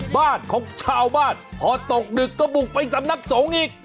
บ้านของชาวบ้านพอตกดึกก็บุกไปสำนักสงฆ์อีก